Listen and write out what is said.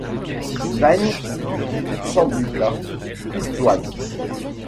Baigne Sambuca Pistoiese.